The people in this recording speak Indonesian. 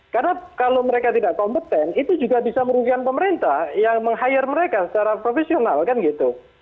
karena kalau mereka tidak kompeten itu juga bisa merugikan pemerintah yang meng hire mereka secara profesional kan gitu